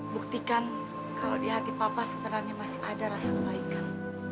buktikan kalau di hati papa sebenarnya masih ada rasa kebaikan